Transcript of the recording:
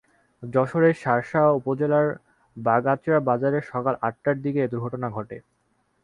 যশোরের শার্শা উপজেলার বাগআঁচড়া বাজারে সকাল আটটার দিকে এ দুর্ঘটনা ঘটে।